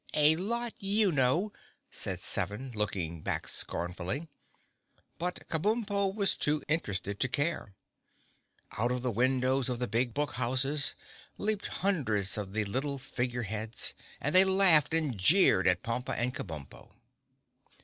"A lot you know!" said Seven, looking back scornfully, but Kabumpo was too interested to care. Out of the windows of the big book houses leaped hundreds of the little Figure Heads, and they laughed and jeered at Pompa and Kabumpo.